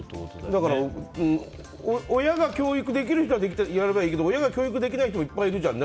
だから親が教育できるならやればいいけど親が教育できない人もいっぱいいるじゃん。